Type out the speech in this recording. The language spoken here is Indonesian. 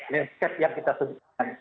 landscape yang kita sediakan